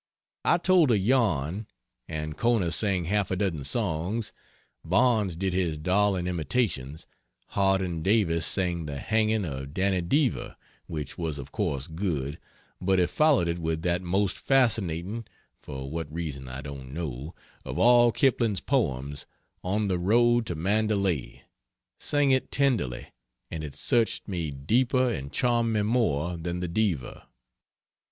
I told a yarn, Ancona sang half a dozen songs, Barnes did his darling imitations, Harding Davis sang the hanging of Danny Deever, which was of course good, but he followed it with that most fascinating (for what reason I don't know) of all Kipling's poems, "On the Road to Mandalay," sang it tenderly, and it searched me deeper and charmed me more than the Deever.